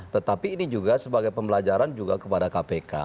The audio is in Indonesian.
tetapi ini juga sebagai pembelajaran juga kepada kpk